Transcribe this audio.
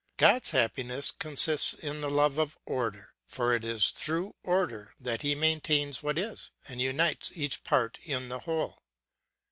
God's happiness consists in the love of order; for it is through order that he maintains what is, and unites each part in the whole.